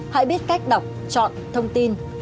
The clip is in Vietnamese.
hãy biết cách đọc chọn thông tin